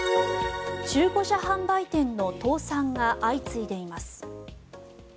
中古車販売店の倒産が相次いでいます。